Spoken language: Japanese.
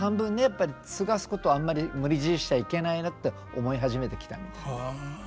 やっぱり継がすことはあんまり無理強いしちゃいけないなって思い始めてきたみたい。